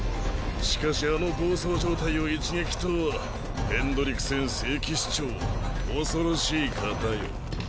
しかしあの暴走状態を一撃とはヘンドリクセン聖騎士長恐ろしい方よ。